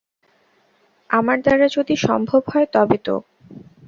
আমার দ্বারা যদি সম্ভব হয় তবে তো?